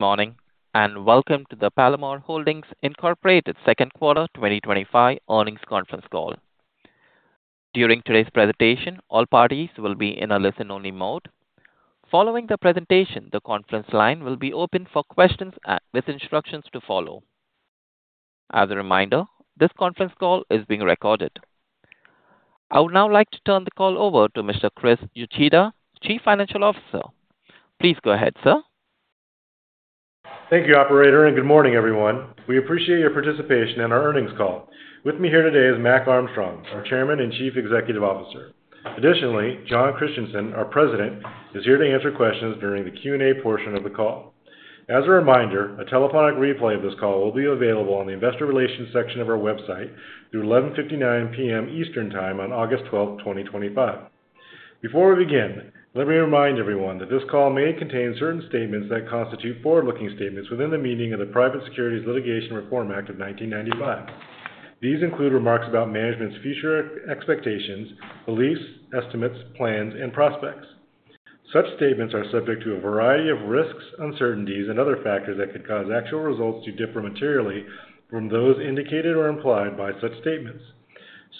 Morning and welcome to the Palomar Holdings Second Quarter 2025 Earnings Conference call. During today's presentation, all parties will be in a listen-only mode. Following the presentation, the conference line will be open for questions and list instructions to follow. As a reminder, this conference call is being recorded. I would now like to turn the call over to Mr. Chris Uchida, Chief Financial Officer. Please go ahead, sir. Thank you, Operator, and good morning, everyone. We appreciate your participation in our earnings call. With me here today is Mac Armstrong, Chairman and Chief Executive Officer. Additionally, Jon Christianson, our President, is here to answer questions during the Q&A portion of the call. As a reminder, a telephonic replay of this call will be available on the Investor Relations section of our website through 11:59 P.M. Eastern Time on August 12, 2025. Before we begin, let me remind everyone that this call may contain certain statements that constitute forward-looking statements within the meaning of the Private Securities Litigation Reform Act of 1995. These include remarks about management's future expectations, beliefs, estimates, plans, and prospects. Such statements are subject to a variety of risks, uncertainties, and other factors that could cause actual results to differ materially from those indicated or implied by such statements.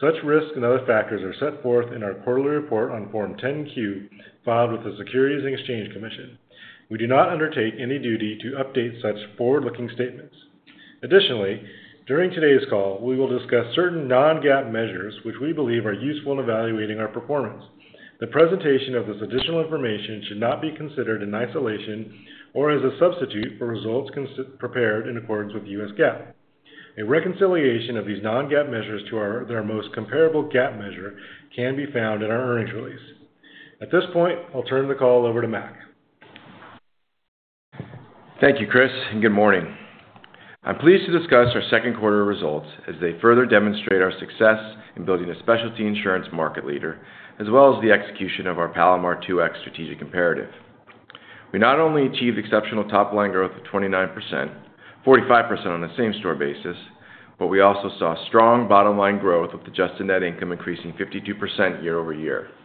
Such risks and other factors are set forth in our quarterly report on Form 10-Q filed with the Securities and Exchange Commission. We do not undertake any duty to update such forward-looking statements. Additionally, during today's call, we will discuss certain non-GAAP measures, which we believe are useful in evaluating our performance. The presentation of this additional information should not be considered in isolation or as a substitute for results prepared in accordance with U.S. GAAP. A reconciliation of these non-GAAP measures to their most comparable GAAP measure can be found in our earnings release. At this point, I'll turn the call over to Mac. Thank you, Chris, and good morning. I'm pleased to discuss our second quarter results as they further demonstrate our success in building a specialty insurance market leader, as well as the execution of our Palomar 2X imperative. We not only achieved exceptional top-line growth of 29%, 45% on a same-store basis, but we also saw strong bottom-line growth with the adjusted net income increasing 52% year-over-year. This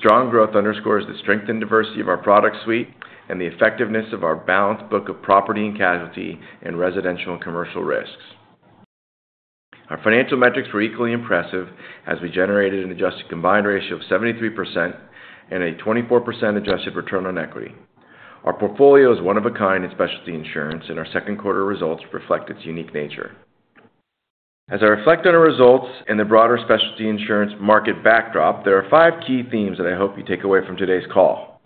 strong growth underscores the strength and diversity of our product suite and the effectiveness of our balanced book of property and casualty and residential and commercial risks. Our financial metrics were equally impressive as we generated an adjusted combined ratio of 73% and a 24% adjusted return on equity. Our portfolio is one of a kind in specialty insurance, and our second quarter results reflect its unique nature. As I reflect on our results and the broader specialty insurance market backdrop, there are five key themes that I hope you take away from today's call.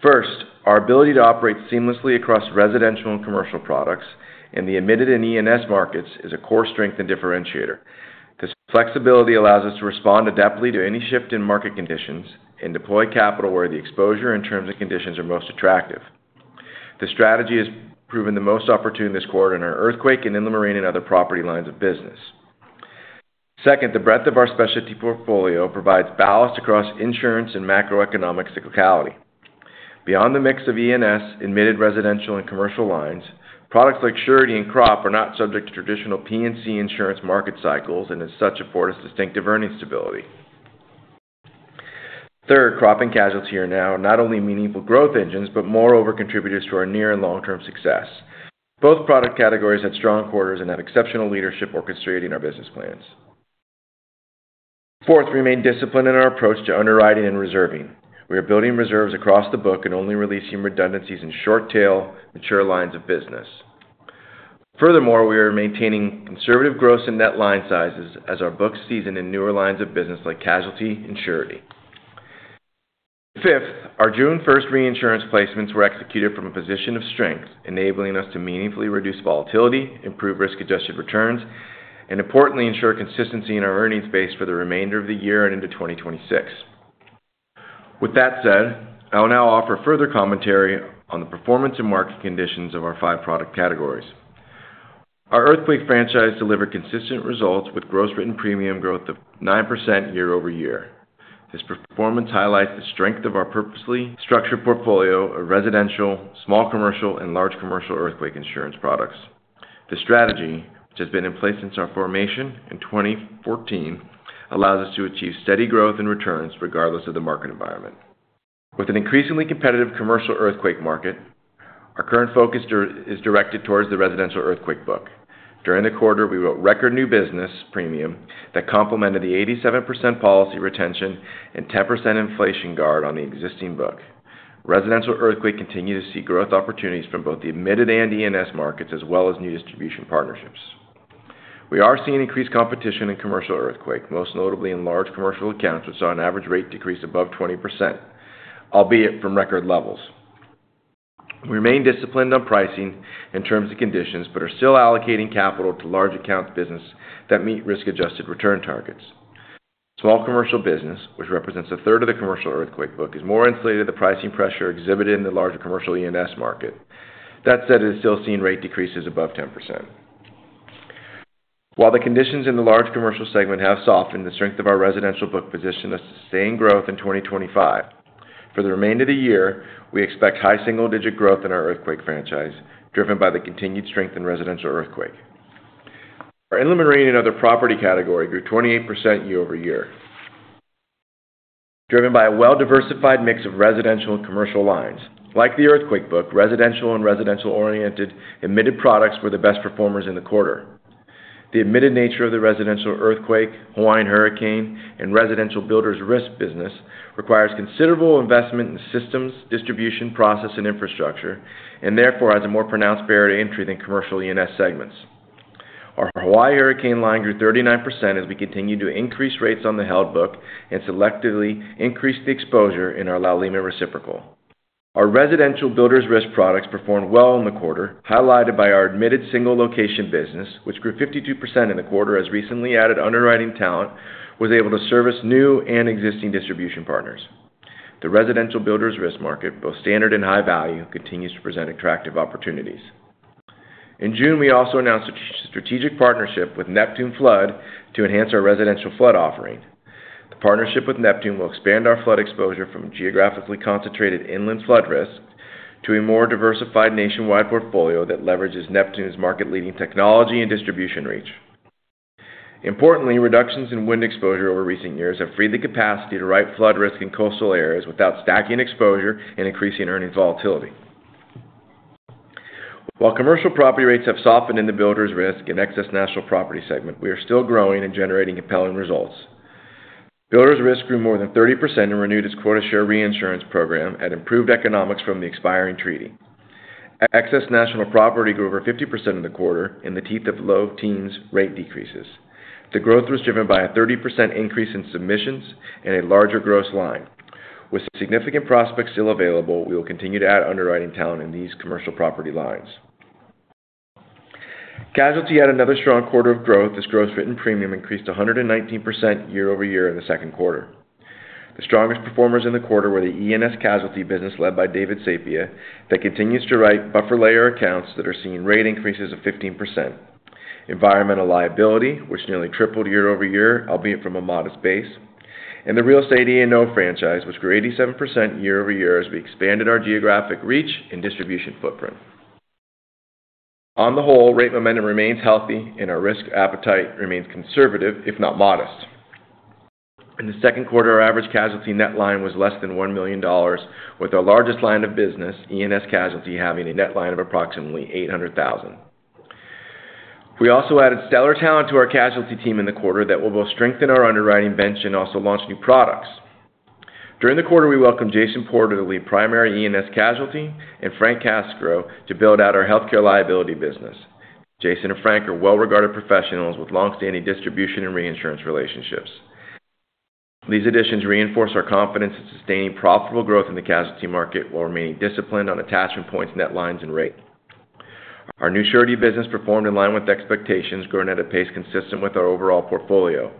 First, our ability to operate seamlessly across residential and commercial products in the admitted and E&S markets is a core strength and differentiator. This flexibility allows us to respond adeptly to any shift in market conditions and deploy capital where the exposure and terms and conditions are most attractive. This strategy has proven the most opportune this quarter in our earthquake and inland marine and other property lines of business. Second, the breadth of our specialty portfolio provides balance across insurance and macroeconomic cyclicality. Beyond the mix of E&S, admitted residential, and commercial lines, products like surety and crop are not subject to traditional P&C insurance market cycles and as such afford us distinctive earnings stability. Third, crop and casualty are now not only meaningful growth engines, but moreover contributors to our near and long-term success. Both product categories had strong quarters and have exceptional leadership orchestrated in our business plans. Fourth, we remain disciplined in our approach to underwriting and reserving. We are building reserves across the book and only releasing redundancies in short-tail mature lines of business. Furthermore, we are maintaining conservative growth in net line sizes as our book season in newer lines of business like casualty and surety. Fifth, our June 1st reinsurance placements were executed from a position of strength, enabling us to meaningfully reduce volatility, improve risk-adjusted returns, and, importantly, ensure consistency in our earnings base for the remainder of the year and into 2025. With that said, I will now offer further commentary on the performance and market conditions of our five product categories. Our earthquake franchise delivered consistent results with gross written premium growth of 9% year-over-year. This performance highlights the strength of our purposely structured portfolio of residential, small commercial, and large commercial earthquake insurance products. The strategy, which has been in place since our formation in 2014, allows us to achieve steady growth and returns regardless of the market environment. With an increasingly competitive commercial earthquake market, our current focus is directed towards the residential earthquake book. During the quarter, we wrote record new business premium that complemented the 87% policy retention and 10% inflation guard on the existing book. Residential earthquake continued to see growth opportunities from both the admitted and E&S markets, as well as new distribution partnerships. We are seeing increased competition in commercial earthquake, most notably in large commercial accounts, which saw an average rate decrease above 20%, albeit from record levels. We remain disciplined on pricing and terms and conditions, but are still allocating capital to large accounts business that meet risk-adjusted return targets. Small commercial business, which represents a third of the commercial earthquake book, is more insulated to the pricing pressure exhibited in the larger commercial E&S market. That said, it is still seeing rate decreases above 10%. While the conditions in the large commercial segment have softened, the strength of our residential book positioned us to sustain growth in 2025. For the remainder of the year, we expect high single-digit growth in our earthquake franchise, driven by the continued strength in residential earthquake. Our inland marine and other property category grew 28% year-over-year, driven by a well-diversified mix of residential and commercial lines. Like the earthquake book, residential and residential-oriented admitted products were the best performers in the quarter. The admitted nature of the residential earthquake, Hawaiian hurricane, and residential builders’ risk business requires considerable investment in systems, distribution, process, and infrastructure, and therefore has a more pronounced barrier to entry than commercial E&S segments. Our Hawaii Hurricane Line grew 39% as we continued to increase rates on the held book and selectively increased the exposure in our La Lima reciprocal. Our residential builders’ risk products performed well in the quarter, highlighted by our admitted single location business, which grew 52% in the quarter as recently added underwriting talent was able to service new and existing distribution partners. The residential builders’ risk market, both standard and high value, continues to present attractive opportunities. In June, we also announced a strategic partnership with Neptune Flood to enhance our residential flood offering. The partnership with Neptune will expand our flood exposure from geographically concentrated inland flood risk to a more diversified nationwide portfolio that leverages Neptune’s market-leading technology and distribution reach. Importantly, reductions in wind exposure over recent years have freed the capacity to write flood risk in coastal areas without stacking exposure and increasing earnings volatility. While commercial property rates have softened in the builders’ risk and excess national property segment, we are still growing and generating compelling results. Builders’ risk grew more than 30% and renewed its quarter share reinsurance program at improved economics from the expiring treaty. Excess national property grew over 50% in the quarter in the teeth of low-teens rate decreases. The growth was driven by a 30% increase in submissions and a larger gross line. With significant prospects still available, we will continue to add underwriting talent in these commercial property lines. Casualty had another strong quarter of growth. This gross written premium increased 119% year-over-year in the second quarter. The strongest performers in the quarter were the E&S casualty business led by David Sapia that continues to write buffer layer accounts that are seeing rate increases of 15%. Environmental liability, which nearly tripled year-over-year, albeit from a modest base, and the real estate E&O franchise, which grew 87% year-over-year as we expanded our geographic reach and distribution footprint. On the whole, rate momentum remains healthy and our risk appetite remains conservative, if not modest. In the second quarter, our average casualty net line was less than $1 million, with our largest line of business, E&S casualty, having a net line of approximately $800,000. We also added stellar talent to our casualty team in the quarter that will both strengthen our underwriting bench and also launch new products. During the quarter, we welcomed Jason Porter to lead primary E&S casualty and Frank Castro to build out our healthcare liability business. Jason and Frank are well-regarded professionals with longstanding distribution and reinsurance relationships. These additions reinforce our confidence in sustaining profitable growth in the casualty market while remaining disciplined on attachment points, net lines, and rate. Our new surety business performed in line with expectations, growing at a pace consistent with our overall portfolio.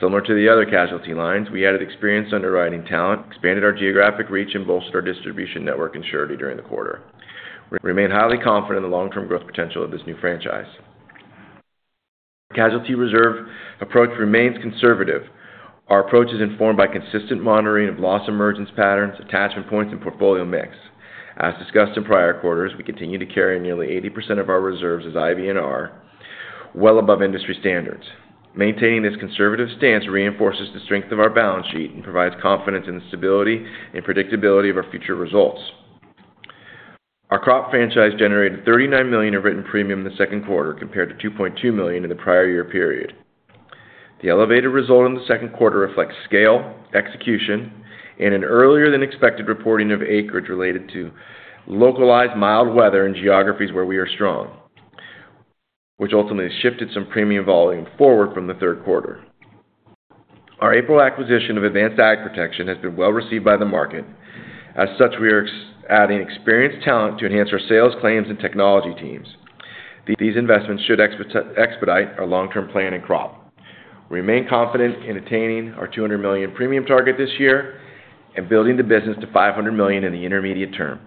Similar to the other casualty lines, we added experienced underwriting talent, expanded our geographic reach, and bolstered our distribution network and surety during the quarter. We remain highly confident in the long-term growth potential of this new franchise. Casualty reserve approach remains conservative. Our approach is informed by consistent monitoring of loss emergence patterns, attachment points, and portfolio mix. As discussed in prior quarters, we continue to carry nearly 80% of our reserves as IVNR, well above industry standards. Maintaining this conservative stance reinforces the strength of our balance sheet and provides confidence in the stability and predictability of our future results. Our crop franchise generated $39 million in written premium in the second quarter, compared to $2.2 million in the prior year period. The elevated result in the second quarter reflects scale, execution, and an earlier-than-expected reporting of acreage related to localized mild weather in geographies where we are strong, which ultimately shifted some premium volume forward from the third quarter. Our April acquisition of Advanced Ag Protection has been well received by the market. As such, we are adding experienced talent to enhance our sales, claims, and technology teams. These investments should expedite our long-term plan and crop. We remain confident in attaining our $200 million premium target this year and building the business to $500 million in the intermediate term.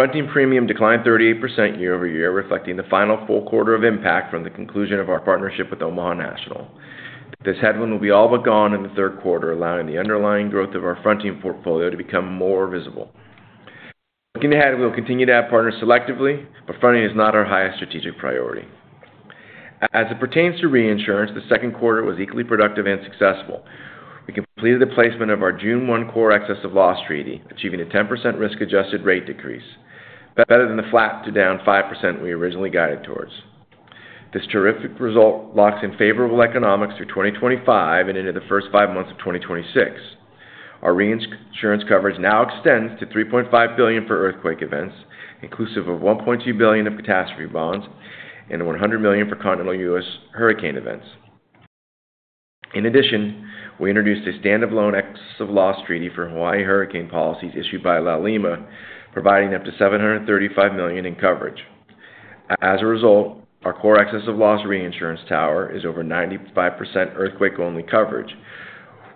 Fronting premium declined 38% year-over-year, reflecting the final full quarter of impact from the conclusion of our partnership with Omaha National. This headwind will be all but gone in the third quarter, allowing the underlying growth of our fronting portfolio to become more visible. Looking ahead, we will continue to have partners selectively, but fronting is not our highest strategic priority. As it pertains to reinsurance, the second quarter was equally productive and successful. We completed the placement of our June 1 core excess of loss treaty, achieving a 10% risk-adjusted rate decrease, better than the flat to down 5% we originally guided towards. This terrific result locks in favorable economics through 2025 and into the first five months of 2026. Our reinsurance coverage now extends to $3.5 billion for earthquake events, inclusive of $1.2 billion of catastrophe bonds, and $100 million for continental U.S. hurricane events. In addition, we introduced a stand-up loan excess of loss treaty for Hawaii hurricane policies issued by La Lima, providing up to $735 million in coverage. As a result, our core excess of loss reinsurance tower is over 95% earthquake-only coverage,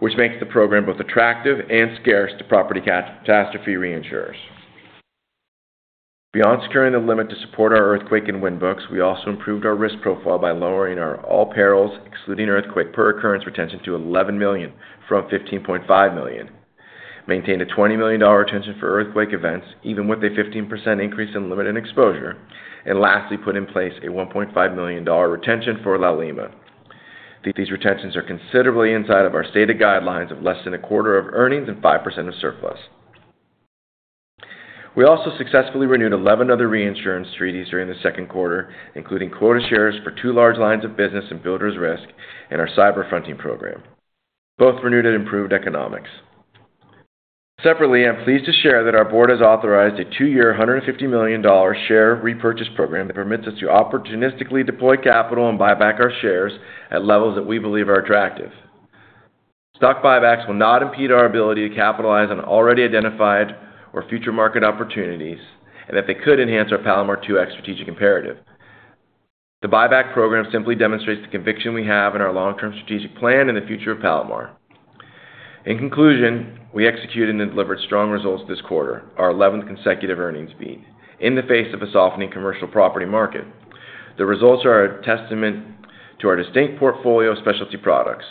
which makes the program both attractive and scarce to property catastrophe reinsurers. Beyond securing the limit to support our earthquake and wind books, we also improved our risk profile by lowering our all perils, excluding earthquake per occurrence retention to $11 million from $15.5 million. We maintained a $20 million retention for earthquake events, even with a 15% increase in limit and exposure, and lastly put in place a $1.5 million retention for La Lima. These retentions are considerably inside of our stated guidelines of less than a quarter of earnings and 5% of surplus. We also successfully renewed 11 other reinsurance treaties during the second quarter, including quota shares for two large lines of business and builders’ risk and our cyber fronting program, both renewed and improved economics. Separately, I'm pleased to share that our board has authorized a two-year $150 million share repurchase program that permits us to opportunistically deploy capital and buy back our shares at levels that we believe are attractive. Stock buybacks will not impede our ability to capitalize on already identified or future market opportunities, and that they could enhance our Palomar 2X strategic imperative. The buyback program simply demonstrates the conviction we have in our long-term strategic plan and the future of Palomar. In conclusion, we executed and delivered strong results this quarter, our 11th consecutive earnings beat in the face of a softening commercial property market. The results are a testament to our distinct portfolio of specialty products.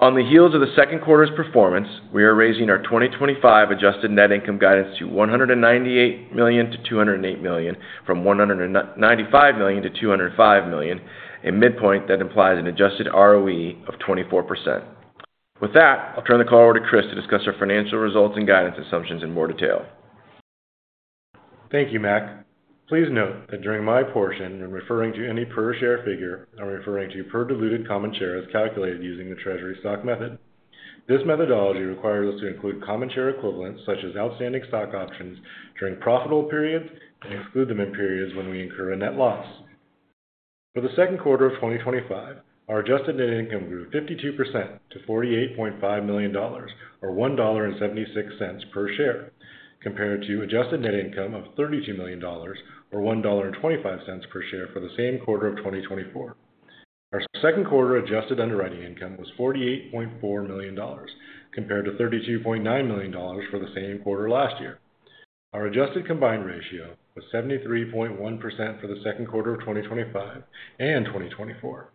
On the heels of the second quarter's performance, we are raising our 2025 adjusted net income guidance to $198 million-$208 million from $195 million-$205 million, a midpoint that implies an adjusted ROE of 24%. With that, I'll turn the call over to Chris to discuss our financial results and guidance assumptions in more detail. Thank you, Mac. Please note that during my portion, when referring to any per share figure, I'm referring to per diluted common share as calculated using the Treasury stock method. This methodology requires us to include common share equivalents such as outstanding stock options during profitable periods and include them in periods when we incur a net loss. For the second quarter of 2025, our adjusted net income grew 52% to $48.5 million or $1.76 per share, compared to adjusted net income of $32 million or $1.25 per share for the same quarter of 2024. Our second quarter adjusted underwriting income was $48.4 million, compared to $32.9 million for the same quarter last year. Our adjusted combined ratio was 73.1% for the second quarter of 2025 and 2024.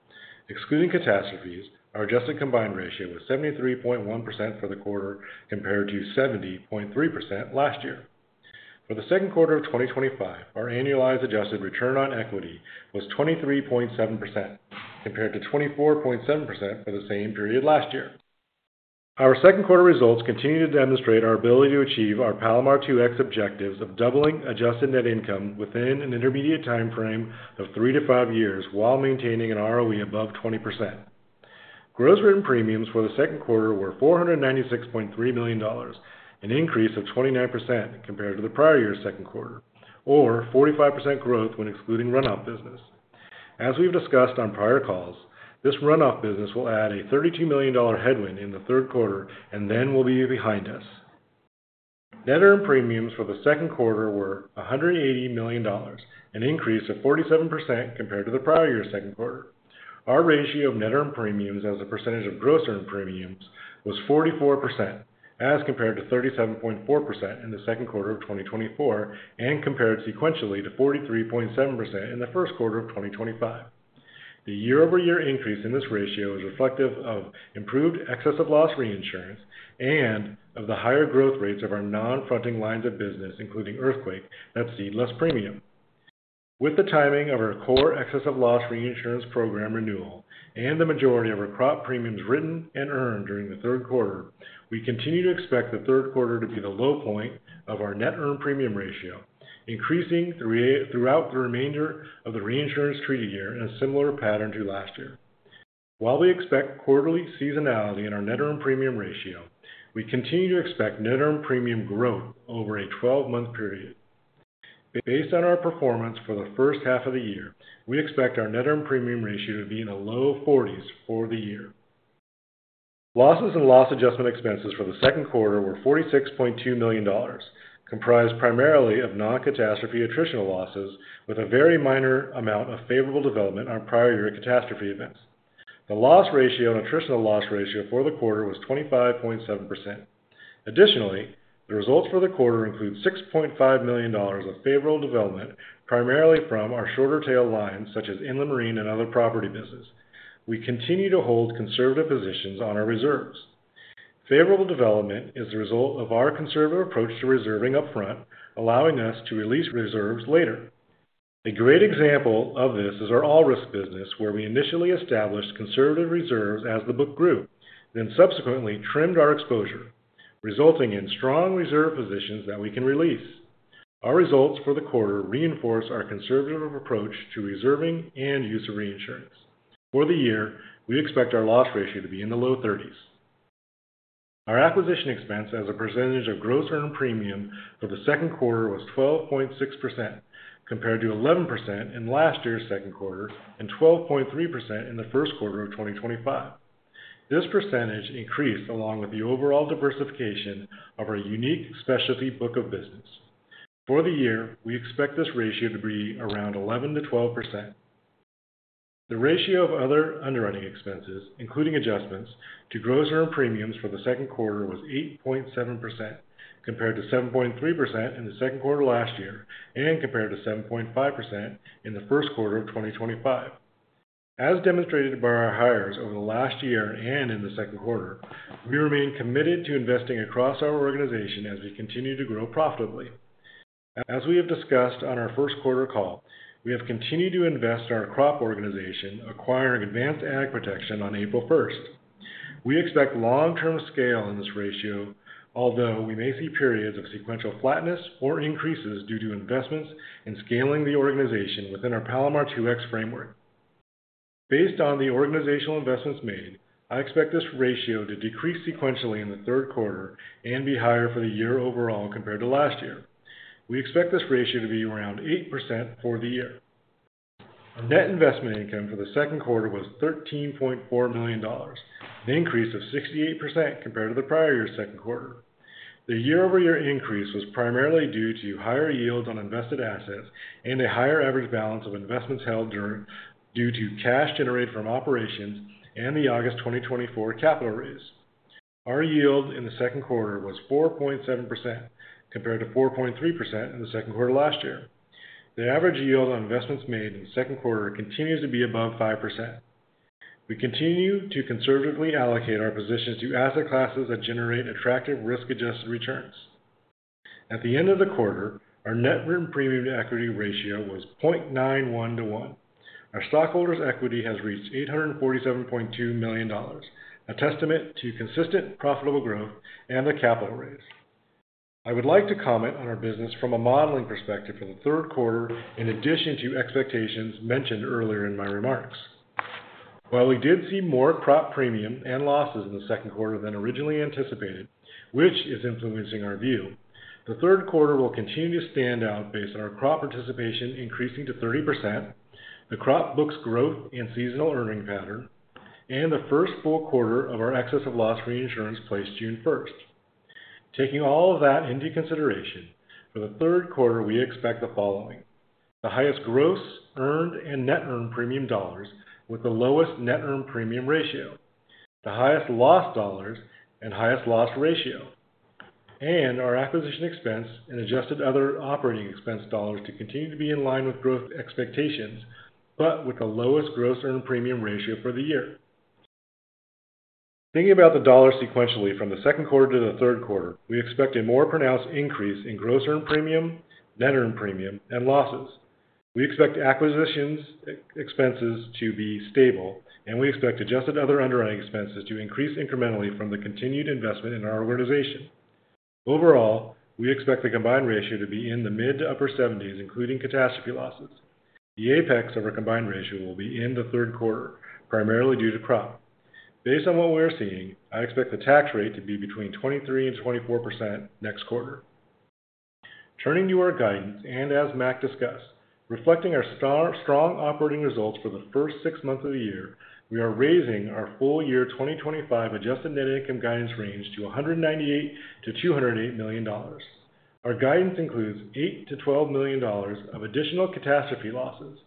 Excluding catastrophes, our adjusted combined ratio was 73.1% for the quarter, compared to 70.3% last year. For the second quarter of 2025, our annualized adjusted return on equity was 23.7%, compared to 24.7% for the same period last year. Our second quarter results continue to demonstrate our ability to achieve our Palomar 2X objectives of doubling adjusted net income within an intermediate timeframe of three to five years while maintaining an ROE above 20%. Gross written premiums for the second quarter were $496.3 million, an increase of 29% compared to the prior year's second quarter, or 45% growth when excluding runoff business. As we've discussed on prior calls, this runoff business will add a $32 million headwind in the third quarter and then will be behind us. Net earned premiums for the second quarter were $180 million, an increase of 47% compared to the prior year's second quarter. Our ratio of net earned premiums as a percentage of gross earned premiums was 44%, as compared to 37.4% in the second quarter of 2024 and compared sequentially to 43.7% in the first quarter of 2025. The year-over-year increase in this ratio is reflective of improved excess of loss reinsurance and of the higher growth rates of our non-fronting lines of business, including earthquake, that seed less premium. With the timing of our core excess of loss reinsurance program renewal and the majority of our crop premiums written and earned during the third quarter, we continue to expect the third quarter to be the low point of our net earned premium ratio, increasing throughout the remainder of the reinsurance treaty year in a similar pattern to last year. While we expect quarterly seasonality in our net earned premium ratio, we continue to expect net earned premium growth over a 12-month period. Based on our performance for the first half of the year, we expect our net earned premium ratio to be in the low 40% for the year. Losses and loss adjustment expenses for the second quarter were $46.2 million, comprised primarily of non-catastrophe attritional losses with a very minor amount of favorable development on prior year catastrophe events. The loss ratio and attritional loss ratio for the quarter was 25.7%. Additionally, the results for the quarter include $6.5 million of favorable development, primarily from our shorter tail lines such as inland marine and other property business. We continue to hold conservative positions on our reserves. Favorable development is the result of our conservative approach to reserving upfront, allowing us to release reserves later. A great example of this is our all risk business, where we initially established conservative reserves as the book grew, then subsequently trimmed our exposure, resulting in strong reserve positions that we can release. Our results for the quarter reinforce our conservative approach to reserving and use of reinsurance. For the year, we expect our loss ratio to be in the low 30%. Our acquisition expense as a percentage of gross earned premium for the second quarter was 12.6%, compared to 11% in last year's second quarter and 12.3% in the first quarter of 2025. This percentage increased along with the overall diversification of our unique specialty book of business. For the year, we expect this ratio to be around 11%-12%. The ratio of other underwriting expenses, including adjustments to gross earned premiums for the second quarter, was 8.7%, compared to 7.3% in the second quarter last year and compared to 7.5% in the first quarter of 2025. As demonstrated by our hires over the last year and in the second quarter, we remain committed to investing across our organization as we continue to grow profitably. As we have discussed on our first quarter call, we have continued to invest in our crop organization, acquiring Advanced Ag Protection on April 1. We expect long-term scale in this ratio, although we may see periods of sequential flatness or increases due to investments in scaling the organization within our Palomar 2X strategic plan framework. Based on the organizational investments made, I expect this ratio to decrease sequentially in the third quarter and be higher for the year overall compared to last year. We expect this ratio to be around 8% for the year. Net investment income for the second quarter was $13.4 million, an increase of 68% compared to the prior year's second quarter. The year-over-year increase was primarily due to higher yields on invested assets and a higher average balance of investments held due to cash generated from operations and the August 2024 capital raise. Our yield in the second quarter was 4.7% compared to 4.3% in the second quarter last year. The average yield on investments made in the second quarter continues to be above 5%. We continue to conservatively allocate our positions to asset classes that generate attractive risk-adjusted returns. At the end of the quarter, our net written premium to equity ratio was 0.91-1. Our stockholders' equity has reached $847.2 million, a testament to consistent profitable growth and the capital raise. I would like to comment on our business from a modeling perspective for the third quarter, in addition to expectations mentioned earlier in my remarks. While we did see more crop premium and losses in the second quarter than originally anticipated, which is influencing our view, the third quarter will continue to stand out based on our crop participation increasing to 30%, the crop book's growth in seasonal earning pattern, and the first full quarter of our core excess of loss reinsurance placed June 1st. Taking all of that into consideration, for the third quarter, we expect the following: the highest gross earned and net earned premium dollars with the lowest net earned premium ratio, the highest loss dollars and highest loss ratio, and our acquisition expense and adjusted other operating expense dollars to continue to be in line with growth expectations, but with the lowest gross earned premium ratio for the year. Thinking about the dollar sequentially from the second quarter to the third quarter, we expect a more pronounced increase in gross earned premium, net earned premium, and losses. We expect acquisition expenses to be stable, and we expect adjusted other underwriting expenses to increase incrementally from the continued investment in our organization. Overall, we expect the combined ratio to be in the mid to upper 70s, including catastrophe losses. The apex of our combined ratio will be in the third quarter, primarily due to crop. Based on what we're seeing, I expect the tax rate to be between 23% and 24% next quarter. Turning to our guidance, and as Mac discussed, reflecting our strong operating results for the first six months of the year, we are raising our full year 2025 adjusted net income guidance range to $198 million-$208 million. Our guidance includes $8 million-$12 million of additional catastrophe losses.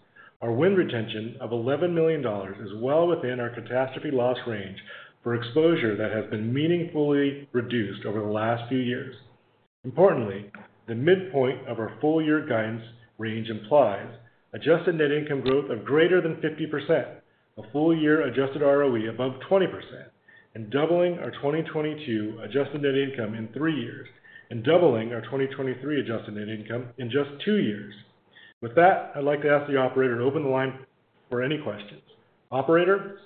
Our wind retention of $11 million is well within our catastrophe loss range for exposure that has been meaningfully reduced over the last few years. Importantly, the midpoint of our full year guidance range implies adjusted net income growth of greater than 50%, a full year adjusted ROE above 20%, and doubling our 2022 adjusted net income in three years, and doubling our 2023 adjusted net income in just two years. With that, I'd like to ask the Operator to open the line for any questions. Operator?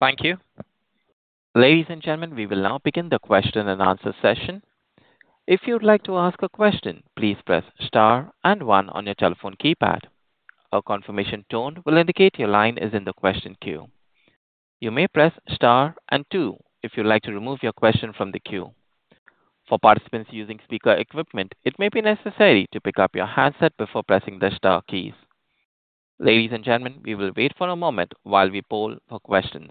Thank you. Ladies and gentlemen, we will now begin the question-and answer session. If you would like to ask a question, please press star and one on your telephone keypad. A confirmation tone will indicate your line is in the question queue. You may press star and two if you would like to remove your question from the queue. For participants using speaker equipment, it may be necessary to pick up your headset before pressing the star keys. Ladies and gentlemen, we will wait for a moment while we poll for questions.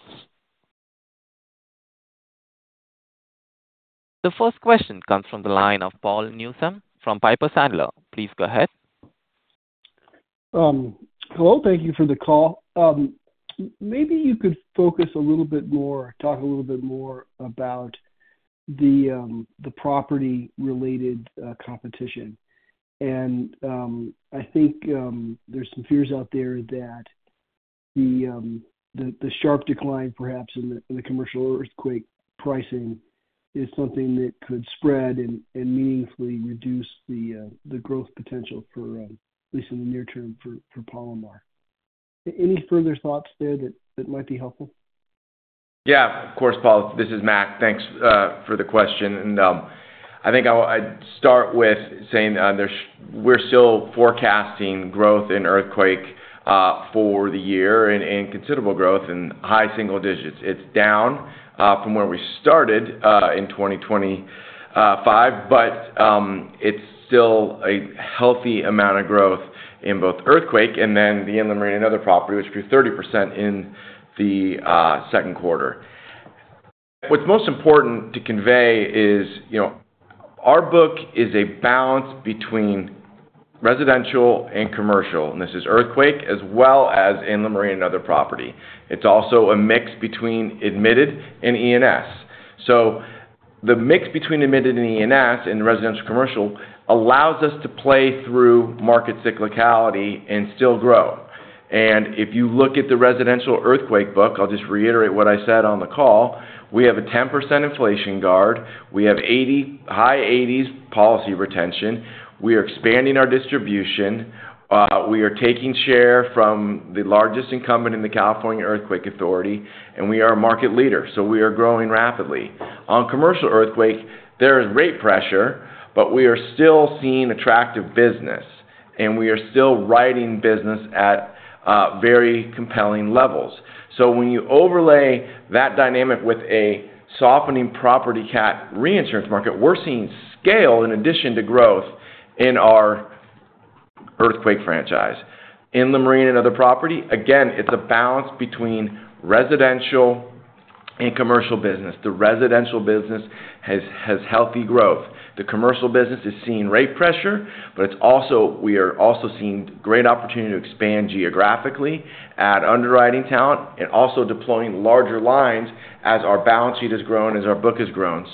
The first question comes from the line of Paul Newsome from Piper Sandler. Please go ahead. Hello. Thank you for the call. Maybe you could focus a little bit more, talk a little bit more about the property-related competition. I think there's some fears out there that the sharp decline perhaps in the commercial earthquake pricing is something that could spread and meaningfully reduce the growth potential for, at least in the near term, for Palomar. Any further thoughts there that might be helpful? Yeah, of course, Paul. This is Mac. Thanks for the question. I think I'll start with saying that we're still forecasting growth in earthquake for the year and considerable growth in high single digits. It's down from where we started in 2025, but it's still a healthy amount of growth in both earthquake and then the inland marine and other property, which grew 30% in the second quarter. What's most important to convey is, you know, our book is a balance between residential and commercial, and this is earthquake as well as inland marine and other property. It's also a mix between admitted and E&S. The mix between admitted and E&S in residential commercial allows us to play through market cyclicality and still grow. If you look at the residential earthquake book, I'll just reiterate what I said on the call. We have a 10% inflation guard. We have high 80s policy retention. We are expanding our distribution. We are taking share from the largest incumbent in the California Earthquake Authority, and we are a market leader. We are growing rapidly. On commercial earthquake, there is rate pressure, but we are still seeing attractive business, and we are still writing business at very compelling levels. When you overlay that dynamic with a softening property cat reinsurance market, we're seeing scale in addition to growth in our earthquake franchise. In the marine and other property, again, it's a balance between residential and commercial business. The residential business has healthy growth. The commercial business is seeing rate pressure, but we are also seeing great opportunity to expand geographically, add underwriting talent, and also deploying larger lines as our balance sheet has grown and as our book has grown.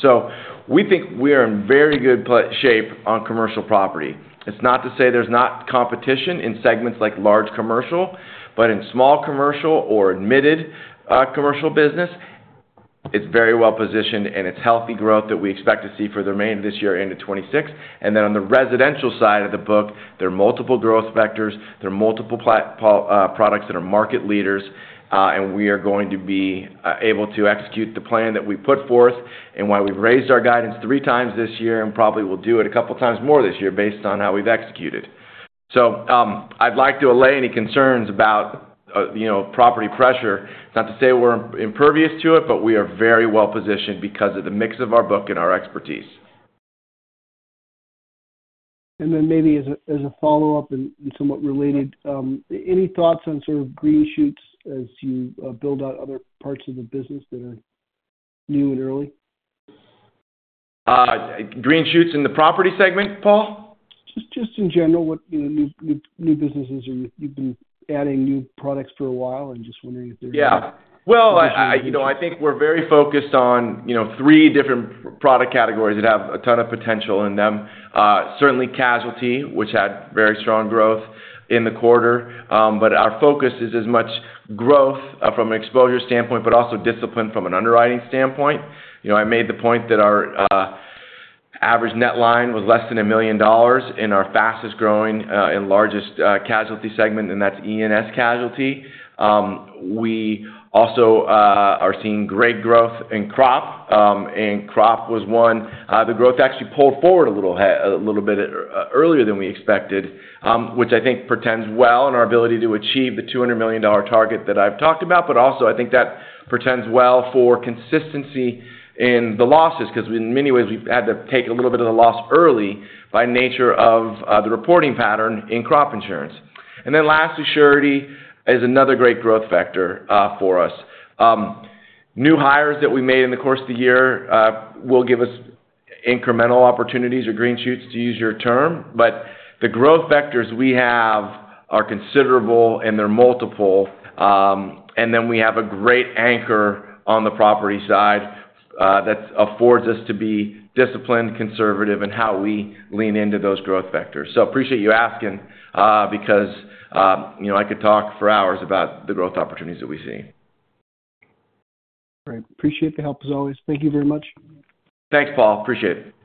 We think we are in very good shape on commercial property. It's not to say there's not competition in segments like large commercial, but in small commercial or admitted commercial business, it's very well positioned, and it's healthy growth that we expect to see for the remainder of this year into 2026. On the residential side of the book, there are multiple growth vectors. There are multiple products that are market leaders, and we are going to be able to execute the plan that we put forth and why we've raised our guidance three times this year and probably will do it a couple of times more this year based on how we've executed. I'd like to allay any concerns about, you know, property pressure. It's not to say we're impervious to it, but we are very well positioned because of the mix of our book and our expertise. Maybe as a follow-up and somewhat related, any thoughts on sort of green shoots as you build out other parts of the business that are new and early? Green shoots in the property segment, Paul? Just in general, what new businesses or you've been adding new products for a while, just wondering if there's. I think we're very focused on three different product categories that have a ton of potential in them. Certainly, casualty, which had very strong growth in the quarter, but our focus is as much growth from an exposure standpoint, but also discipline from an underwriting standpoint. I made the point that our average net line was less than $1 million in our fastest growing and largest casualty segment, and that's E&S casualty. We also are seeing great growth in crop, and crop was one. The growth actually pulled forward a little bit earlier than we expected, which I think portends well in our ability to achieve the $200 million target that I've talked about, but also I think that portends well for consistency in the losses because in many ways we've had to take a little bit of the loss early by nature of the reporting pattern in crop insurance. Lastly, surety is another great growth vector for us. New hires that we made in the course of the year will give us incremental opportunities or green shoots, to use your term, but the growth vectors we have are considerable and they're multiple. We have a great anchor on the property side that affords us to be disciplined, conservative in how we lean into those growth vectors. I appreciate you asking because I could talk for hours about the growth opportunities that we see. Great. Appreciate the help as always. Thank you very much. Thanks, Paul. Appreciate it.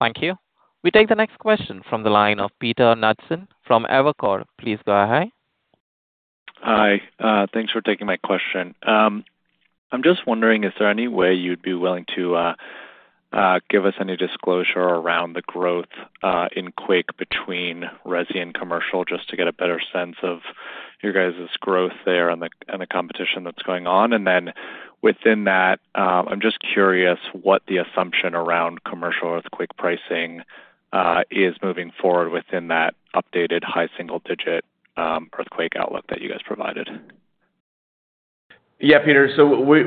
Thank you. We take the next question from the line of Peter Knudsen from Evercore. Please go ahead. Hi. Thanks for taking my question. I'm just wondering, is there any way you'd be willing to give us any disclosure around the growth in earthquake between residential and commercial, just to get a better sense of your guys' growth there and the competition that's going on? Within that, I'm just curious what the assumption around commercial earthquake pricing is moving forward within that updated high single-digit earthquake outlook that you guys provided. Yeah, Peter.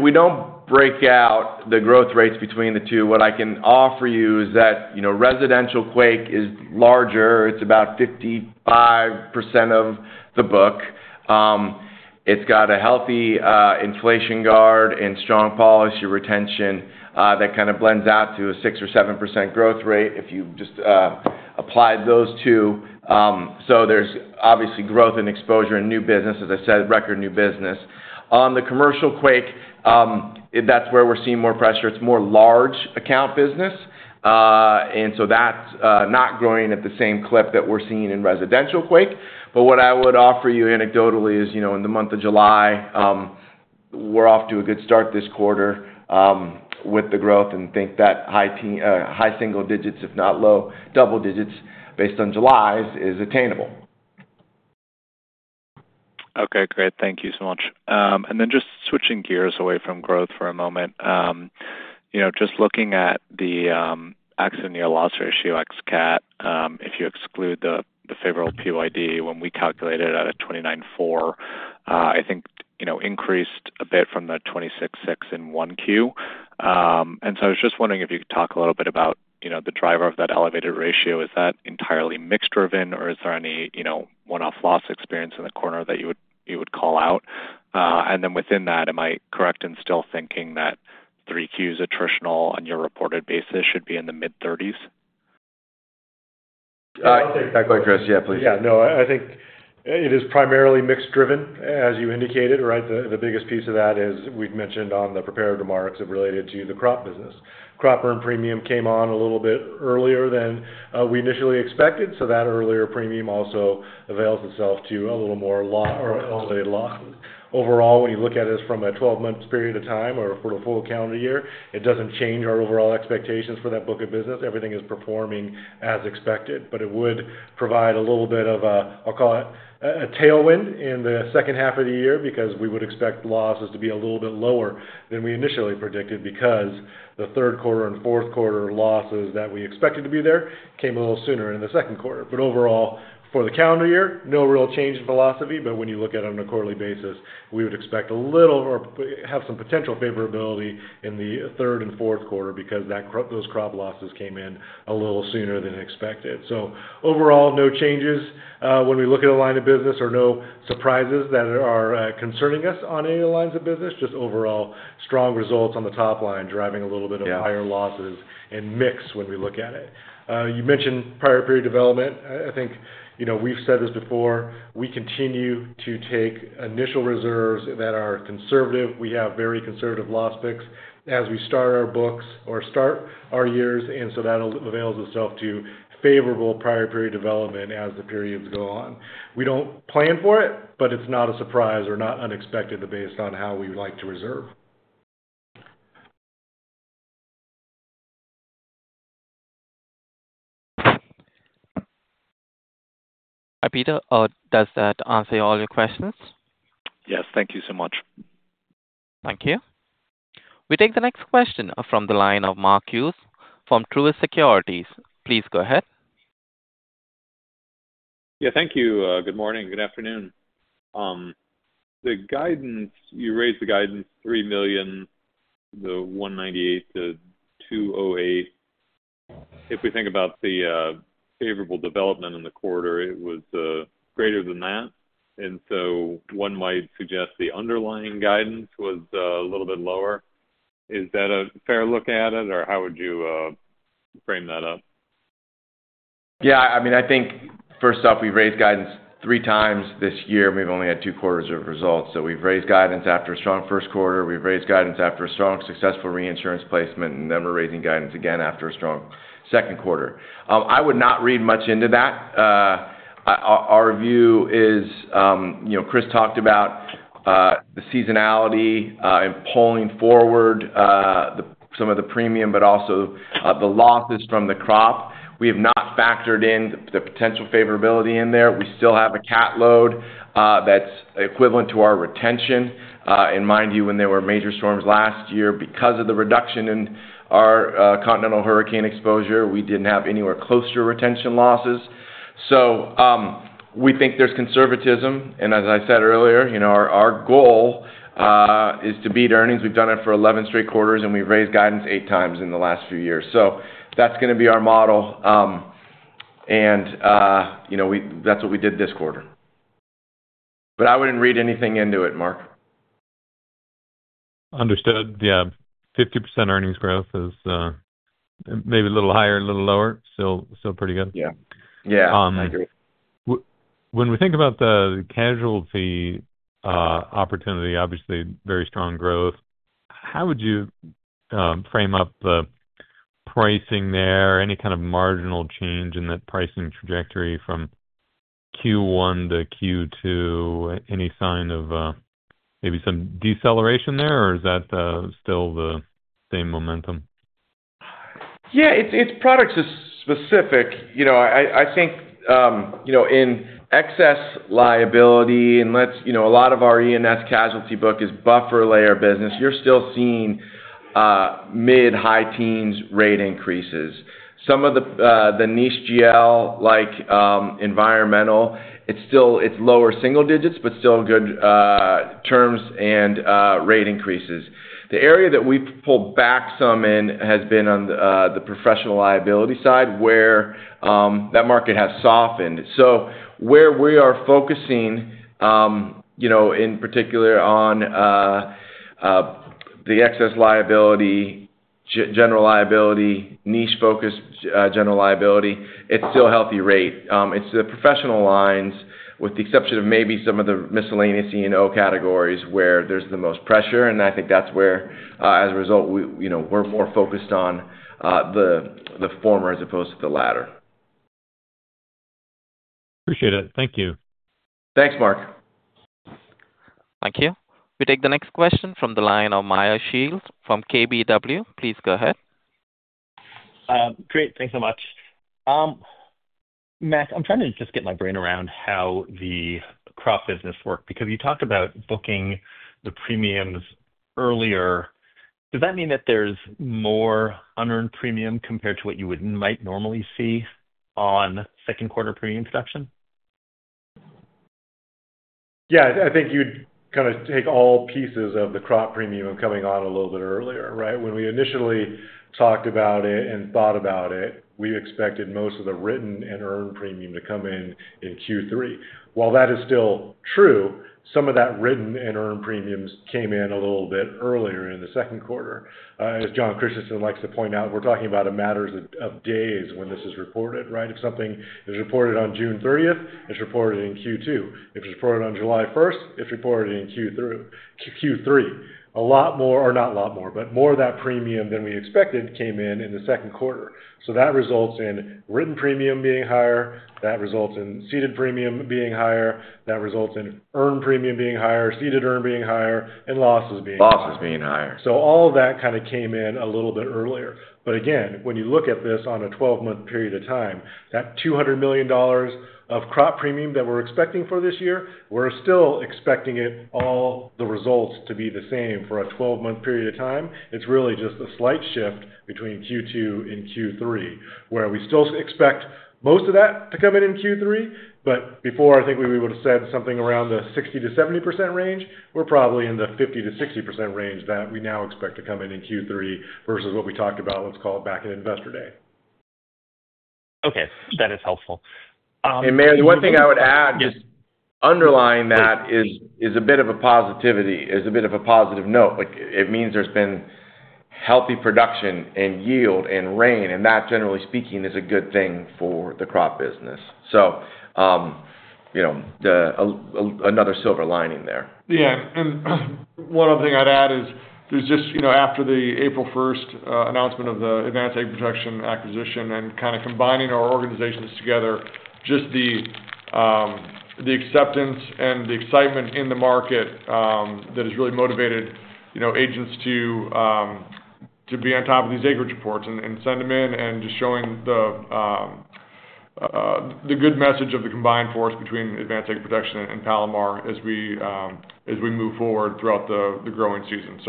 We don't break out the growth rates between the two. What I can offer you is that residential earthquake is larger. It's about 55% of the book. It's got a healthy inflation guard and strong policy retention that kind of blends out to a 6% or 7% growth rate if you just applied those two. There's obviously growth in exposure and new business, as I said, record new business. On the commercial earthquake, that's where we're seeing more pressure. It's more large account business, and that's not growing at the same clip that we're seeing in residential earthquake. What I would offer you anecdotally is, in the month of July, we're off to a good start this quarter with the growth and think that high single digits, if not low double digits, based on July is attainable. Okay, great. Thank you so much. Just switching gears away from growth for a moment, just looking at the exit and yield loss ratio ex-cat, if you exclude the favorable PYD when we calculated it at 29.4%, I think it increased a bit from the 26.6% in Q1. I was just wondering if you could talk a little bit about the driver of that elevated ratio. Is that entirely mix-driven or is there any one-off loss experience in the quarter that you would call out? Within that, am I correct in still thinking that Q3's attritional on your reported basis should be in the mid-30s? I think that question is, yeah, please. Yeah. No, I think it is primarily mix-driven, as you indicated, right? The biggest piece of that is we've mentioned on the prepared remarks related to the crop business. Crop earned premium came on a little bit earlier than we initially expected. That earlier premium also avails itself to a little more law overall. When you look at us from a 12-month period of time or for the full calendar year, it doesn't change our overall expectations for that book of business. Everything is performing as expected, but it would provide a little bit of a, I'll call it a tailwind in the second half of the year because we would expect losses to be a little bit lower than we initially predicted because the third quarter and fourth quarter losses that we expected to be there came a little sooner in the second quarter. For the calendar year, no real change in philosophy, but when you look at it on a quarterly basis, we would expect a little or have some potential favorability in the third and fourth quarter because those crop losses came in a little sooner than expected. Overall, no changes when we look at a line of business or no surprises that are concerning us on any lines of business, just overall strong results on the top line driving a little bit of higher losses and mix when we look at it. You mentioned prior period development. I think, you know, we've said this before. We continue to take initial reserves that are conservative. We have very conservative loss picks as we start our books or start our years. That avails itself to favorable prior period development as the periods go on. We don't plan for it, but it's not a surprise or not unexpected based on how we like to reserve. Hi, Peter. Does that answer all your questions? Yes, thank you so much. Thank you. We take the next question from the line of Mark Hughes from Truist Securities. Please go ahead. Thank you. Good morning. Good afternoon. The guidance, you raised the guidance $3 million-$198 million-$208 million. If we think about the favorable development in the quarter, it was greater than that. One might suggest the underlying guidance was a little bit lower. Is that a fair look at it or how would you frame that up? Yeah, I mean, I think first off, we've raised guidance three times this year and we've only had two quarters of results. We've raised guidance after a strong first quarter, we've raised guidance after a strong successful reinsurance placement, and then we're raising guidance again after a strong second quarter. I would not read much into that. Our view is, you know, Chris talked about the seasonality and pulling forward some of the premium, but also the losses from the crop. We have not factored in the potential favorability in there. We still have a cat load that's equivalent to our retention. Mind you, when there were major storms last year, because of the reduction in our continental hurricane exposure, we didn't have anywhere close to retention losses. We think there's conservatism. As I said earlier, our goal is to beat earnings. We've done it for 11 straight quarters and we've raised guidance eight times in the last few years. That's going to be our model, and that's what we did this quarter. I wouldn't read anything into it, Mark. Understood. Yeah, 50% earnings growth is maybe a little higher, a little lower, still pretty good. Yeah, I agree. When we think about the casualty opportunity, obviously very strong growth. How would you frame up the pricing there? Any kind of marginal change in that pricing trajectory from Q1-Q2? Any sign of maybe some deceleration there, or is that still the same momentum? Yeah, it's product specific. I think in excess liability, and a lot of our E&S casualty book is buffer layer business, you're still seeing mid-high teens rate increases. Some of the niche GL, like environmental, it's still lower single digits, but still good terms and rate increases. The area that we've pulled back some in has been on the professional liability side where that market has softened. Where we are focusing in particular on the excess liability, general liability, niche focused general liability, it's still healthy rate. It's the professional lines, with the exception of maybe some of the miscellaneous E&O categories, where there's the most pressure. I think that's where, as a result, we're more focused on the former as opposed to the latter. Appreciate it. Thank you. Thanks, Mark. Thank you. We take the next question from the line of Meyer Shields from KBW. Please go ahead. Great, thanks so much. Mac, I'm trying to just get my brain around how the crop business worked, because you talked about booking the premiums earlier. Does that mean that there's more unearned premium compared to what you would might normally see on second quarter premium production? Yeah, I think you'd kind of take all pieces of the crop premium coming on a little bit earlier, right? When we initially talked about it and thought about it, we expected most of the written and earned premium to come in in Q3. While that is still true, some of that written and earned premium came in a little bit earlier in the second quarter. As Jon Christianson likes to point out, we're talking about a matter of days when this is reported, right? If something is reported on June 30, it's reported in Q2. If it's reported on July 1, it's reported in Q3. More of that premium than we expected came in in the second quarter. That results in written premium being higher, seeded premium being higher, earned premium being higher, seeded earned being higher, and losses being higher. Losses being higher. All of that kind of came in a little bit earlier. Again, when you look at this on a 12-month period of time, that $200 million of crop premium that we're expecting for this year, we're still expecting all the results to be the same for a 12-month period of time. It's really just a slight shift between Q2 and Q3, where we still expect most of that to come in in Q3. Before, I think we would have said something around the 60%-70% range. We're probably in the 50%-60% range that we now expect to come in in Q3 versus what we talked about, let's call it back in investor day. Okay, that is helpful. The one thing I would add just underlying that is a bit of a positivity. It's a bit of a positive note. It means there's been healthy production and yield and rain, and that generally speaking is a good thing for the crop business. You know, another silver lining there. Yeah, and one other thing I'd add is there's just, you know, after the April 1st announcement of the Advanced Ag Protection acquisition and kind of combining our organizations together, just the acceptance and the excitement in the market that has really motivated, you know, agents to be on top of these acreage reports and send them in and just showing the good message of the combined force between Advanced Ag Protection and Palomar as we move forward throughout the growing season.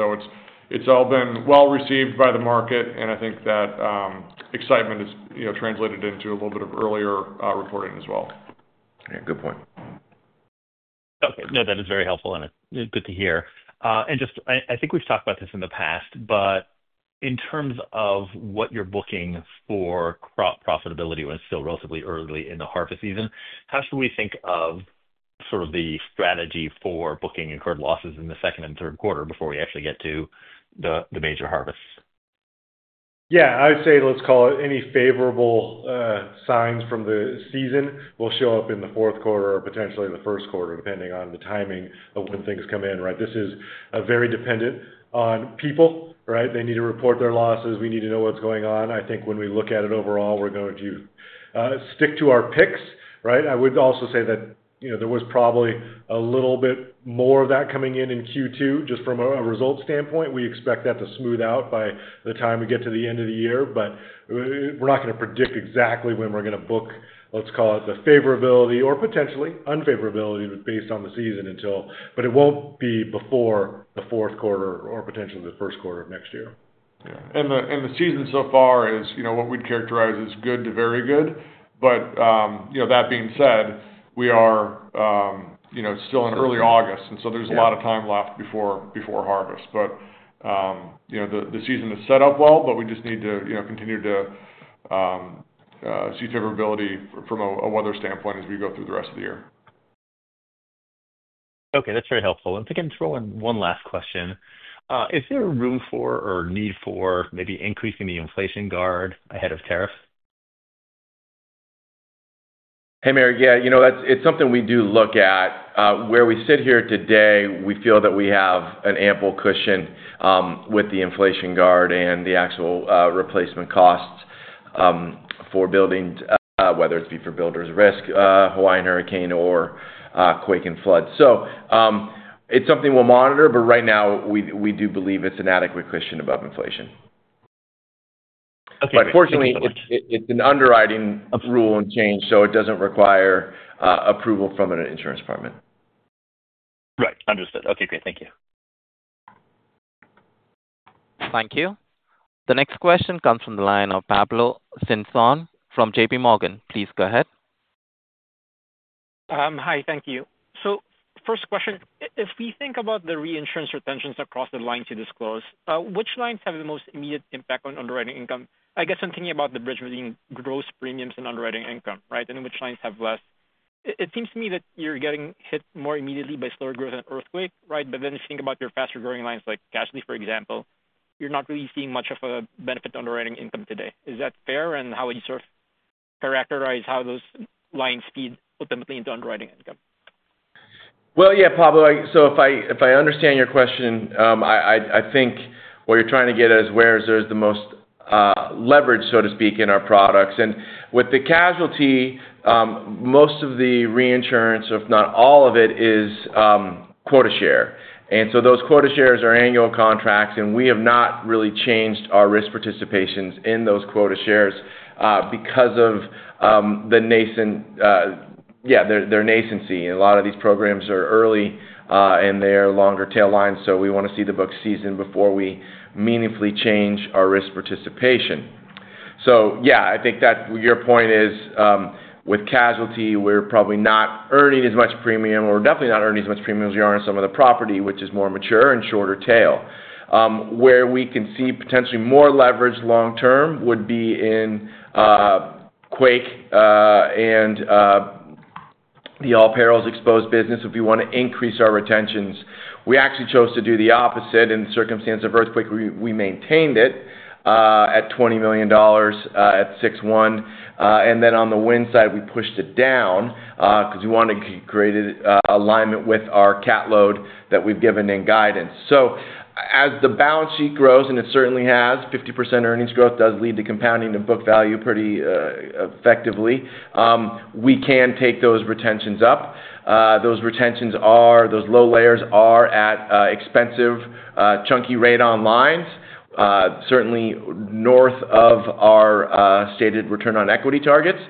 It's all been well received by the market, and I think that excitement is, you know, translated into a little bit of earlier reporting as well. Yeah, good point. Okay, no, that is very helpful and good to hear. I think we've talked about this in the past, but in terms of what you're booking for crop profitability when it's still relatively early in the harvest season, how should we think of sort of the strategy for booking incurred losses in the second and third quarter before we actually get to the major harvests? Yeah, I'd say let's call it any favorable signs from the season will show up in the fourth quarter or potentially the first quarter, depending on the timing of when things come in, right? This is very dependent on people, right? They need to report their losses. We need to know what's going on. I think when we look at it overall, we're going to stick to our picks, right? I would also say that there was probably a little bit more of that coming in in Q2, just from a result standpoint. We expect that to smooth out by the time we get to the end of the year, but we're not going to predict exactly when we're going to book, let's call it the favorability or potentially unfavorability based on the season, but it won't be before the fourth quarter or potentially the first quarter of next year. Yeah. The season so far is what we'd characterize as good to very good. That being said, we are still in early August, and so there's a lot of time left before harvest. The season is set up well, but we just need to continue to see favorability from a weather standpoint as we go through the rest of the year. Okay, that's very helpful. If we can throw in one last question, is there room for or need for maybe increasing the inflation guard ahead of tariffs? Yeah, you know, it's something we do look at. Where we sit here today, we feel that we have an ample cushion with the inflation guard and the actual replacement costs for buildings, whether it be for builders' risk, Hawaiian hurricane, or quake and flood. It's something we'll monitor, but right now we do believe it's an adequate cushion above inflation. Fortunately, it's an underwriting rule and change, so it doesn't require approval from an insurance department. Right, understood. Okay, great, thank you. Thank you. The next question comes from the line of Pablo Singzon from JP Morgan. Please go ahead. Thank you. If we think about the reinsurance retentions across the lines you disclose, which lines have the most immediate impact on underwriting income? I guess I'm thinking about the bridge between gross premiums and underwriting income, right? Which lines have less? It seems to me that you're getting hit more immediately by slower growth than earthquake, right? If you think about your faster growing lines, like casualty, for example, you're not really seeing much of a benefit to underwriting income today. Is that fair? How would you sort of characterize how those lines feed ultimately into underwriting income? Pablo, if I understand your question, I think what you're trying to get at is where there's the most leverage, so to speak, in our products. With the casualty, most of the reinsurance, if not all of it, is quota share. Those quota shares are annual contracts, and we have not really changed our risk participations in those quota shares because of their nascency. A lot of these programs are early and they're longer tail lines, so we want to see the book season before we meaningfully change our risk participation. I think that your point is with casualty, we're probably not earning as much premium, or we're definitely not earning as much premium as we are in some of the property, which is more mature and shorter tail. Where we can see potentially more leverage long term would be in quake and the all perils exposed business. If we want to increase our retentions, we actually chose to do the opposite in the circumstance of earthquake. We maintained it at $20 million at 6/1. On the wind side, we pushed it down because we wanted to create an alignment with our cat load that we've given in guidance. As the balance sheet grows, and it certainly has, 50% earnings growth does lead to compounding the book value pretty effectively. We can take those retentions up. Those retentions are, those low layers are at expensive, chunky rate on lines, certainly north of our stated return on equity targets.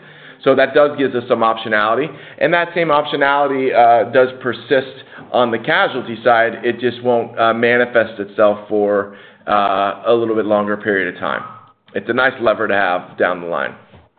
That does give us some optionality. That same optionality does persist on the casualty side. It just won't manifest itself for a little bit longer period of time. It's a nice lever to have down the line.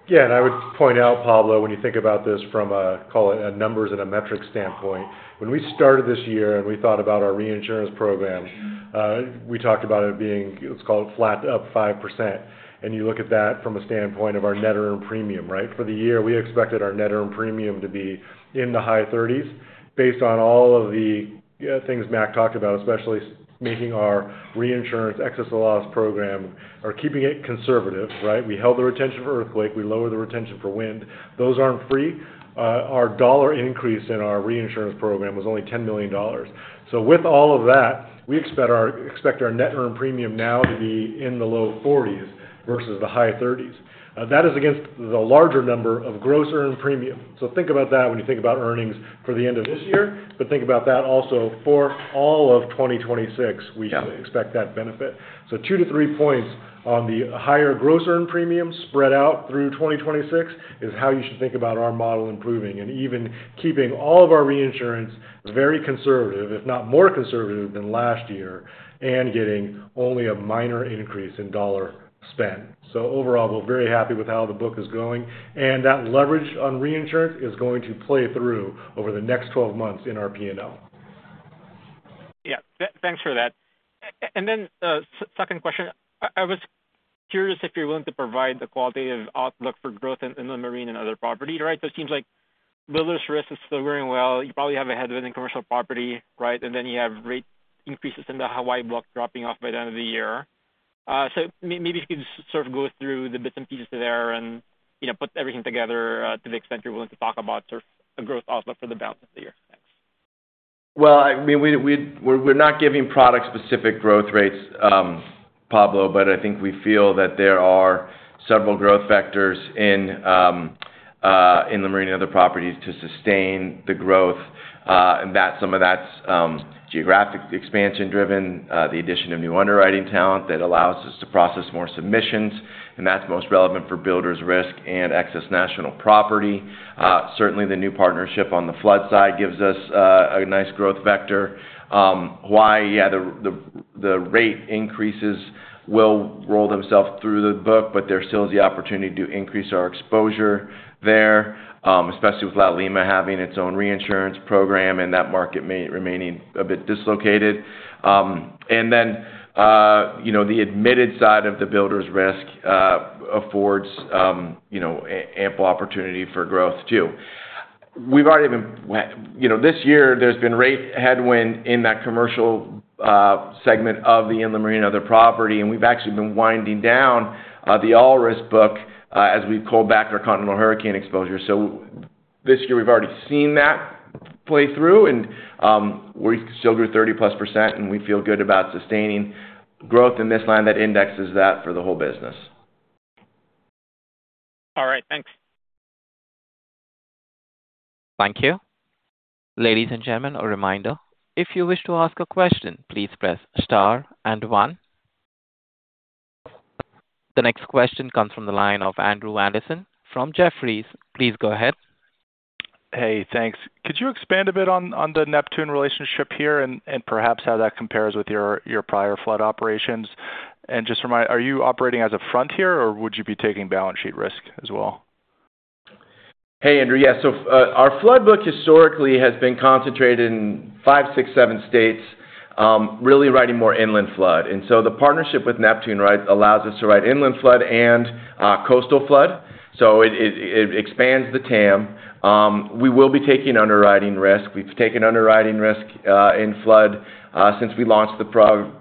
Yeah, and I would point out, Pablo, when you think about this from a numbers and a metrics standpoint, when we started this year and we thought about our reinsurance program, we talked about it being, let's call it flat up 5%. You look at that from a standpoint of our net earned premium, right? For the year, we expected our net earned premium to be in the high 30s based on all of the things Mac talked about, especially making our reinsurance excess loss program or keeping it conservative, right? We held the retention for earthquake. We lowered the retention for wind. Those aren't free. Our dollar increase in our reinsurance program was only $10 million. With all of that, we expect our net earned premium now to be in the low 40s versus the high 30s. That is against the larger number of gross earned premium. Think about that when you think about earnings for the end of this year, but think about that also for all of 2026. We should expect that benefit. Two-three points on the higher gross earned premium spread out through 2026 is how you should think about our model improving and even keeping all of our reinsurance very conservative, if not more conservative than last year, and getting only a minor increase in dollar spend. Overall, we're very happy with how the book is going, and that leverage on reinsurance is going to play through over the next 12 months in our P&L. Thank you for that. The second question, I was curious if you're willing to provide the qualitative outlook for growth in the inland marine and other property, right? It seems like builders’ risk is still very well. You probably have a headwind in commercial property, right? You have rate increases in the Hawaii block dropping off by the end of the year. If you could sort of go through the bits and pieces there and put everything together to the extent you're willing to talk about sort of a growth outlook for the balance of the year. We're not giving product-specific growth rates, Pablo, but I think we feel that there are several growth vectors in the marine and other properties to sustain the growth. Some of that's geographic expansion driven, the addition of new underwriting talent that allows us to process more submissions, and that's most relevant for builders’ risk and excess national property. Certainly, the new partnership on the flood side gives us a nice growth vector. Hawaii, yeah, the rate increases will roll themselves through the book, but there still is the opportunity to increase our exposure there, especially with La Lima having its own reinsurance program and that market remaining a bit dislocated. The admitted side of the builders’ risk affords ample opportunity for growth too. We've already been, this year there's been rate headwind in that commercial segment of the inland marine and other property, and we've actually been winding down the all-risk book as we've called back our continental hurricane exposure. This year we've already seen that play through, and we still grew 30%+, and we feel good about sustaining growth in this line that indexes that for the whole business. All right, thanks. Thank you. Ladies and gentlemen, a reminder, if you wish to ask a question, please press star and one. The next question comes from the line of Andrew Andersen from Jefferies. Please go ahead. Hey, thanks. Could you expand a bit on the Neptune Flood relationship here and perhaps how that compares with your prior flood operations? Just remind, are you operating as a fronting service or would you be taking balance sheet risk as well? Hey, Andrew. Yeah, our flood book historically has been concentrated in five, six, seven states, really writing more inland flood. The partnership with Neptune Flood allows us to write inland flood and coastal flood. It expands the TAM. We will be taking underwriting risk. We've taken underwriting risk in flood since we launched the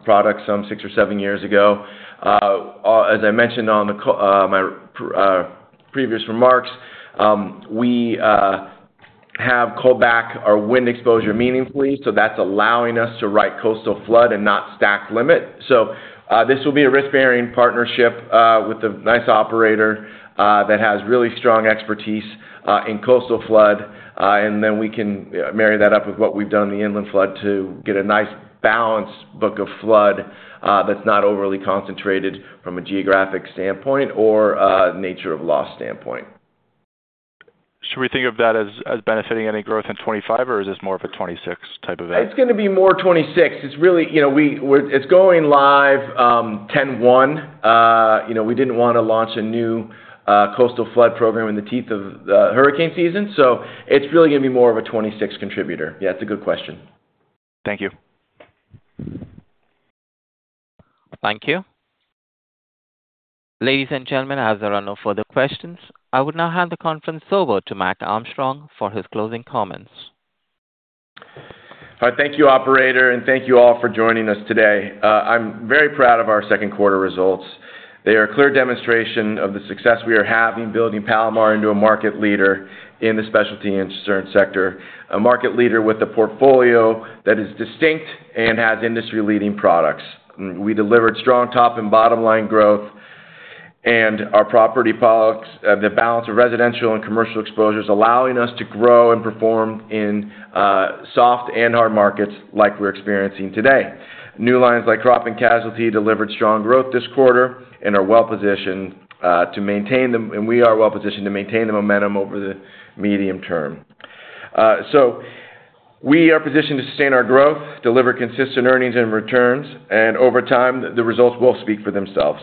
product some six or seven years ago. As I mentioned in my previous remarks, we have called back our wind exposure meaningfully. That's allowing us to write coastal flood and not stack limit. This will be a risk-bearing partnership with a nice operator that has really strong expertise in coastal flood. We can marry that up with what we've done in the inland flood to get a nice balanced book of flood that's not overly concentrated from a geographic standpoint or nature of loss standpoint. Should we think of that as benefiting any growth in 2025, or is this more of a 2026 type of? It's going to be more 2026. It's really, you know, it's going live 10/1. We didn't want to launch a new coastal flood program in the teeth of the hurricane season. It's really going to be more of a 2026 contributor. Yeah, it's a good question. Thank you. Thank you. Ladies and gentlemen, as there are no further questions, I would now hand the conference over to Mac Armstrong for his closing comments. All right, thank you, Operator, and thank you all for joining us today. I'm very proud of our second quarter results. They are a clear demonstration of the success we are having building Palomar into a market leader in the specialty insurance sector, a market leader with a portfolio that is distinct and has industry-leading products. We delivered strong top and bottom line growth, and our property products, the balance of residential and commercial exposures, allowing us to grow and perform in soft and hard markets like we're experiencing today. New lines like crop and casualty delivered strong growth this quarter and are well positioned to maintain them, and we are well positioned to maintain the momentum over the medium term. We are positioned to sustain our growth, deliver consistent earnings and returns, and over time, the results will speak for themselves.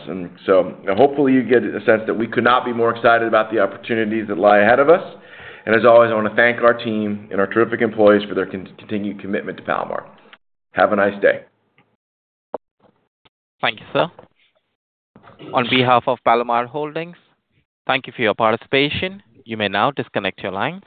Hopefully you get a sense that we could not be more excited about the opportunities that lie ahead of us. As always, I want to thank our team and our terrific employees for their continued commitment to Palomar. Have a nice day. Thank you, sir. On behalf of Palomar Holdings, thank you for your participation. You may now disconnect your lines.